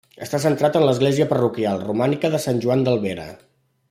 Està centrat en l'església parroquial, romànica, de Sant Joan d'Albera.